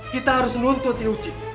kita harus nuntut si uci